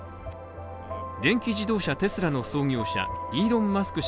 電気自動車テスラの創業者イーロン・マスク